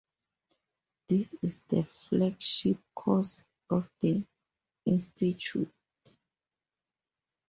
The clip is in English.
This is the flagship course of the institute.